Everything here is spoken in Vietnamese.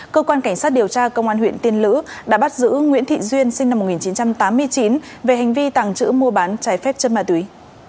cơ quan cảnh sát điều tra công an huyện tiên lữ đã bắt giữ nguyễn thị duyên sinh năm một nghìn chín trăm tám mươi chín về hành vi tàng trữ mua bán trái phép chất ma túy